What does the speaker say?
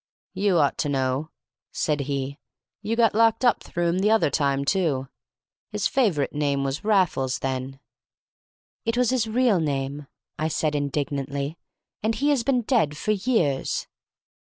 "You ought to know," said he. "You got locked up through him the other time, too. His favorite name was Raffles then." "It was his real name," I said, indignantly. "And he has been dead for years."